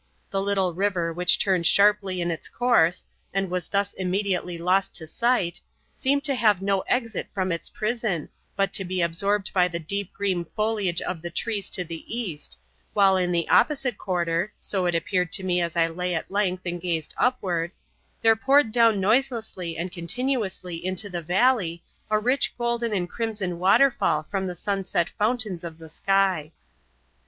The little river which turned sharply in its course, and was thus immediately lost to sight, seemed to have no exit from its prison, but to be absorbed by the deep green foliage of the trees to the east—while in the opposite quarter (so it appeared to me as I lay at length and glanced upward) there poured down noiselessly and continuously into the valley, a rich golden and crimson waterfall from the sunset fountains of the sky.